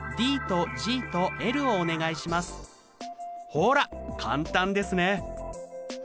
ほら簡単ですね。